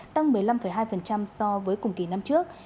tăng một mươi năm hai so với cùng kỳ năm trước